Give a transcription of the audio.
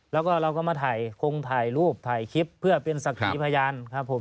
แล้วก็เราก็มาถ่ายคงถ่ายรูปถ่ายคลิปเพื่อเป็นสักขีพยานครับผม